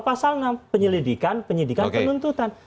pasal enam penyelidikan penyidikan penuntutan